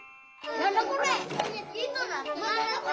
何だこれ！